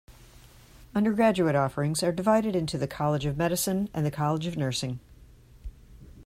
Undergraduate offerings are divided into the College of Medicine and the College of Nursing.